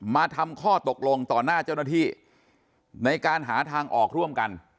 มาทำข้อตกลงต่อหน้าเจ้าหน้าที่ในการหาทางออกร่วมกัน